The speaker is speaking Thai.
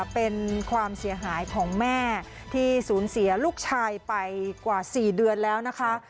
เป็นความเสียหายของแม่ที่สูญเสียลูกชายไปกว่า๔เดือนแล้วนะคะ